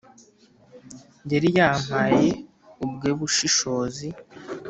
yari yampaye ubwe bushishozi